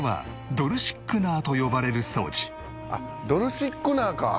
ドルシックナー。